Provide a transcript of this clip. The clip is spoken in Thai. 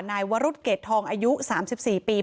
นายวรุษเกรดทองอายุ๓๔ปี